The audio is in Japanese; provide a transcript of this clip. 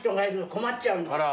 困っちゃうの。